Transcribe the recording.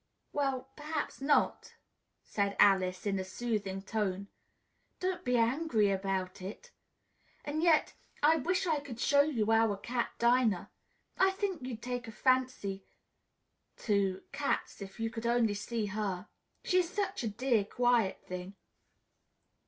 "Well, perhaps not," said Alice in a soothing tone; "don't be angry about it. And yet I wish I could show you our cat Dinah. I think you'd take a fancy to cats, if you could only see her. She is such a dear, quiet thing."